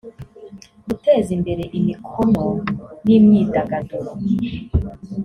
guteza imbere imikono n imyidagaduro